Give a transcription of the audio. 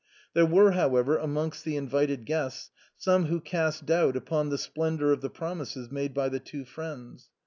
There were, however, amongst the invited guests, some who cast doubt upon the splendor of the promises made by the two friends.